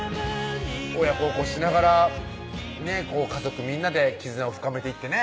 親孝行しながら家族みんなで絆を深めていってね